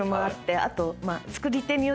あと。